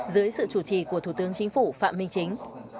dưới sự chủ trì của thủ tướng chính phủ phạm minh chính